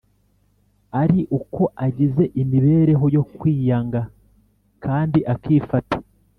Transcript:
ari uko agize imibereho yo kwiyanga kandi akifata